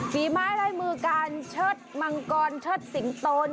ฝีไม้ลายมือการเชิดมังกรเชิดสิงโตน